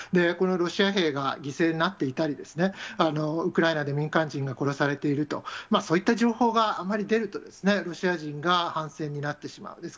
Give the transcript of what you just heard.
このロシア兵が犠牲になっていたりですね、ウクライナで民間人が殺されていると、そういった情報があまり出ると、ロシア人が反戦になってしまう。